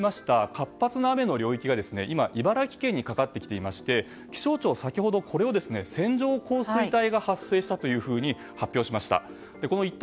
活発な雨の領域が今、茨城県にかかってきていまして気象庁は先ほどこれを線状降水帯が発生したと発表しました。